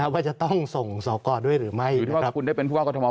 นะว่าจะต้องส่งศอกรด้วยหรือไม่นะครับอยู่ที่ว่าคุณได้เป็นผู้ว่ากฎมอบ